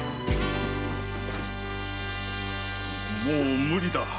もう無理だ。